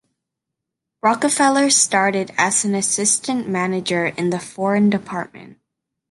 Rockefeller started as an assistant manager in the foreign department.